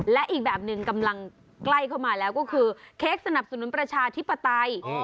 และอีกแบบหนึ่งกำลังใกล้เข้ามาแล้วก็คือเค้กสนับสนุนประชาธิปไตย